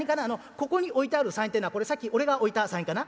ここに置いてある３円ってえのはこれさっき俺が置いた３円かな？」。